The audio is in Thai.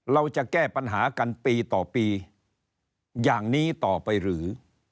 เราจะแก้ปัญหากันปีต่อปีอย่างนี้ต่อไปหรือ